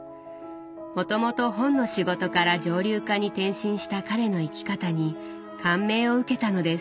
もともと本の仕事から蒸留家に転身した彼の生き方に感銘を受けたのです。